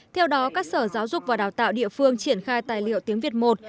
theo đó các sở giáo dục và đào tạo địa phương triển khai tài liệu tiếng việt một